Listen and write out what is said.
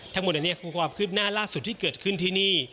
ทั้งหมดอันนี้คือความคืบหน้าล่าสุดที่เกิดขึ้นที่นี่